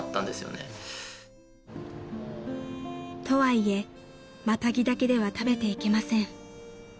［とはいえマタギだけでは食べていけません］